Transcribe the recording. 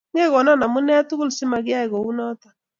Ngekokuno amune tugul asimakiyai kunoto